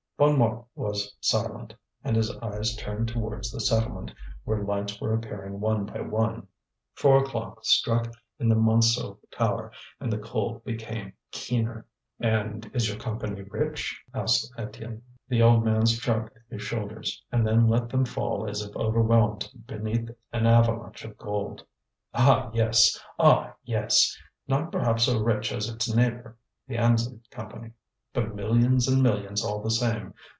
Bonnemort was silent; and his eyes turned towards the settlement, where lights were appearing one by one. Four o'clock struck in the Montsou tower and the cold became keener. "And is your company rich?" asked Étienne. The old man shrugged his shoulders, and then let them fall as if overwhelmed beneath an avalanche of gold. "Ah, yes! Ah, yes! Not perhaps so rich as its neighbour, the Anzin Company. But millions and millions all the same.